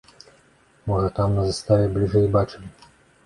Можа там на заставе бліжэй бачылі.